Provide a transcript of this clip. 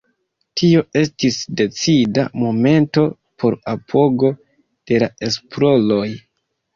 Tio estis decida momento por apogo de la esploroj.